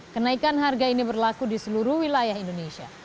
kenaikan harga ini berlaku di seluruh wilayah indonesia